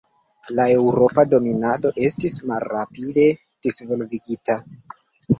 La eŭropa dominado estis malrapide disvolvigita.